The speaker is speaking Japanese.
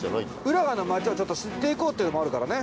浦賀の街を知っていこうっていうのもあるからね。